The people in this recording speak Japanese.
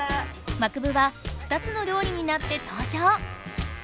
マクブは２つの料理になって登場！